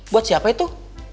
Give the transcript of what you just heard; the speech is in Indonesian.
buat siapa itu